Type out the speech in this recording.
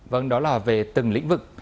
vâng đó là về từng lĩnh vực